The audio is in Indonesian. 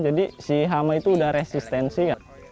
jadi si hama itu sudah resistensi